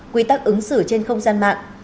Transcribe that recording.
quy tắc ứng xử trên không gian mạng